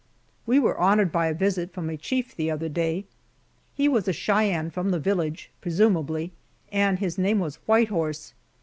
We were honored by a visit from a chief the other day. He was a Cheyenne from the village, presumably, and his name was White Horse.